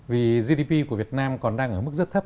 vì gdp của việt nam còn đang ở mức rất thấp